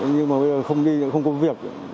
nhưng mà bây giờ không đi không có việc